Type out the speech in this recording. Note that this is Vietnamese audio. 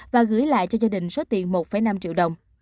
và gửi lại cho gia đình số tiền một năm triệu đồng